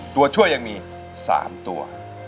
ตัวช่วยยังมี๓ตัว